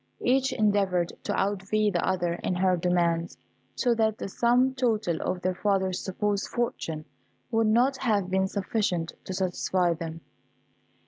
Each endeavoured to outvie the other in her demands, so that the sum total of their father's supposed fortune would not have been sufficient to satisfy them.